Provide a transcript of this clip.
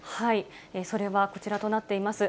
それはこちらとなっています。